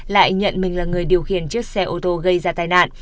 lại nhận mình là người điều khiển chiếc xe ô tô gây ra tai nạn